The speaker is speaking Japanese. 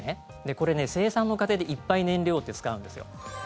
これ、生産の過程でいっぱい燃料って使うんですよ。